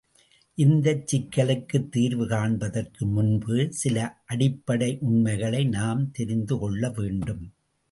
இந்தச் சிக்கலுக்குத் தீர்வு காண்பதற்கு முன்பு சில அடிப்படை உண்மைகளை நாம் தெரிந்து கொள்ள வேண்டும்.